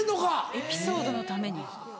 エピソードのために。